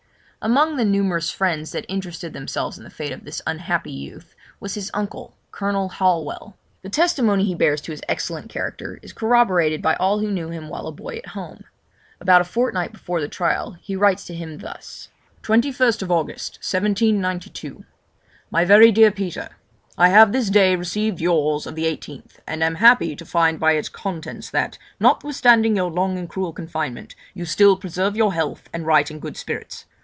Among the numerous friends that interested themselves in the fate of this unhappy youth, was his uncle, Colonel Holwell. The testimony he bears to his excellent character is corroborated by all who knew him while a boy at home. About a fortnight before the trial he writes to him thus: '21st August, 1792. 'MY VERY DEAR PETER, I have this day received yours of the 18th, and am happy to find by its contents that, notwithstanding your long and cruel confinement, you still preserve your health, and write in good spirits.